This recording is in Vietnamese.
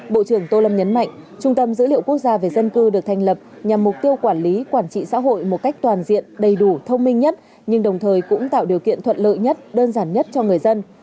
bộ trưởng tô lâm nhấn mạnh trung tâm dữ liệu quốc gia về dân cư được thành lập nhằm mục tiêu quản lý quản trị xã hội một cách toàn diện đầy đủ thông minh nhất nhưng đồng thời cũng tạo điều kiện thuận lợi nhất đơn giản nhất cho người dân